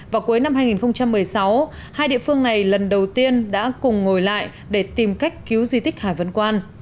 vào cuối năm hai nghìn một mươi sáu hai địa phương này lần đầu tiên đã cùng ngồi lại để tìm cách cứu di tích hà văn quan